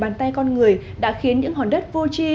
ngôn ngữ của điêu khắc